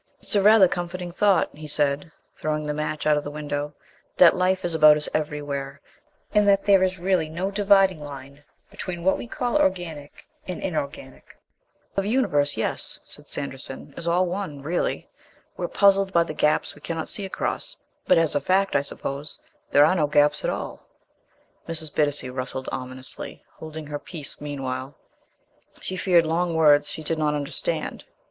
"It's rather a comforting thought," he said, throwing the match out of the window, "that life is about us everywhere, and that there is really no dividing line between what we call organic and inorganic." "The universe, yes," said Sanderson, "is all one, really. We're puzzled by the gaps we cannot see across, but as a fact, I suppose, there are no gaps at all." Mrs. Bittacy rustled ominously, holding her peace meanwhile. She feared long words she did not understand.